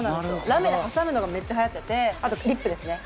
ラメで挟むのがめっちゃはやっててあとリップですね。